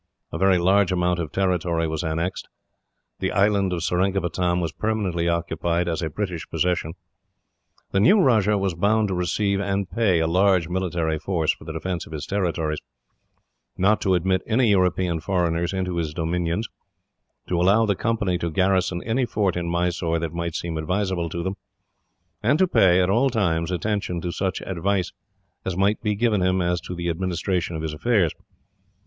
A very large amount of territory was annexed. The island of Seringapatam was permanently occupied as a British possession. The new rajah was bound to receive, and pay, a large military force for the defence of his territories; not to admit any European foreigners into his dominions; to allow the Company to garrison any fort in Mysore that might seem advisable to them; and to pay, at all times, attention to such advice as might be given him as to the administration of his affairs.